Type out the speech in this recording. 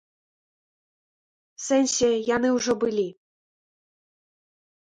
У сэнсе, яны ўжо былі.